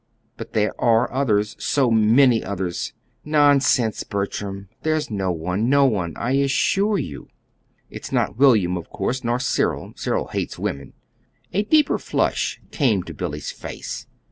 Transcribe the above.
"But there are others, so many others!" "Nonsense, Bertram; there's no one no one, I assure you!" "It's not William, of course, nor Cyril. Cyril hates women." A deeper flush came to Billy's face.